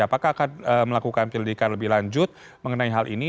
apakah akan melakukan penyelidikan lebih lanjut mengenai hal ini